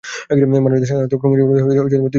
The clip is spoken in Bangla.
মানুষের সাধারণত ক্রোমোজোমের দুই সেট থাকে।